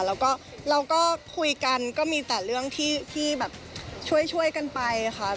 แล้วก็เราก็คุยกันก็มีแต่เรื่องที่แบบช่วยกันไปค่ะ